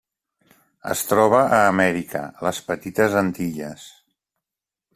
Es troba a Amèrica: les Petites Antilles.